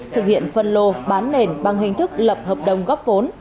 thực hiện phân lô bán nền bằng hình thức lập hợp đồng góp vốn